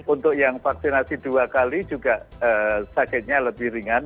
untuk yang vaksinasi dua kali juga sakitnya lebih ringan